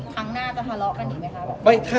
ครั้งหน้าจะทะเลาะกันอีกไหมคะ